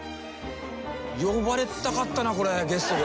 呼ばれたかったなこれゲストで。